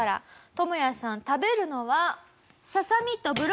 トモヤさん食べるのは。